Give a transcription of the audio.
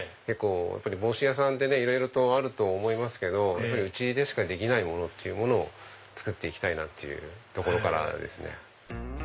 帽子屋さんっていろいろとあると思いますけどうちでしかできないものを作って行きたいなぁっていうところからですね。